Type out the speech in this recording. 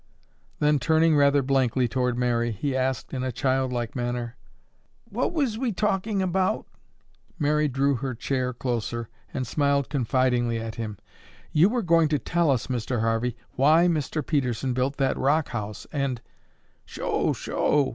Then, turning rather blankly toward Mary, he asked in a child like manner, "What was we talkin' about?" Mary drew her chair closer and smiled confidingly at him. "You were going to tell us, Mr. Harvey, why Mr. Pedersen built that rock house and—" "Sho'!